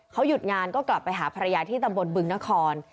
เขาหยุดงานก็กลับไปหาภรรยาที่ตำบลบึงนคร